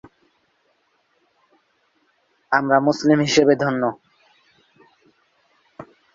ঘরোয়া প্রথম-শ্রেণীর নিউজিল্যান্ডীয় ক্রিকেটে ক্যান্টারবারি, সেন্ট্রাল ডিস্ট্রিক্টস, ওতাগো এবং ওয়েলিংটন দলের পক্ষে খেলেন।